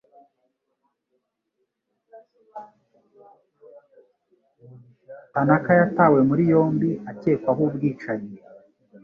Tanaka yatawe muri yombi akekwaho ubwicanyi.